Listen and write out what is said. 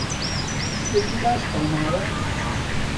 شتێکی باش قەوماوە؟